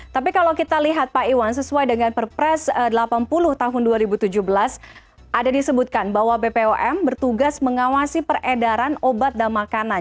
tapi kalau kita lihat pak iwan sesuai dengan perpres delapan puluh tahun dua ribu tujuh belas ada disebutkan bahwa bpom bertugas mengawasi peredaran obat dan makanan